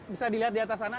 bisa dilihat di atas sana